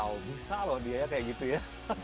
wow bisa loh dia ya kayak gitu ya